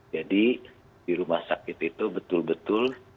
jadi di rumah sakit itu betul betul